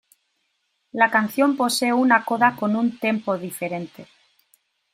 La canción posee una coda con un tempo diferente.